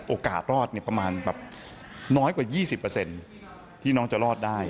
โอกาสรอดประมาณแบบน้อยกว่า๒๐ที่น้องจะรอดได้